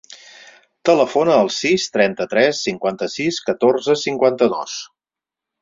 Telefona al sis, trenta-tres, cinquanta-sis, catorze, cinquanta-dos.